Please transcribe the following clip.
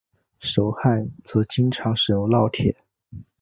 手焊则经常使用烙铁。